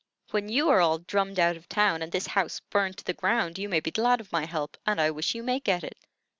"When you are all drummed out of town and this house burnt to the ground, you may be glad of my help, and I wish you may get it.